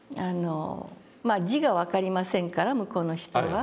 まあ字が分かりませんから向こうの人は。